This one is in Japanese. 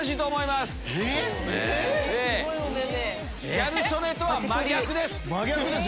ギャル曽根とは真逆です。